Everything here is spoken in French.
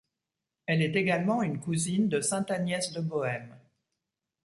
Elle est également une cousine de sainte Agnès de Bohême.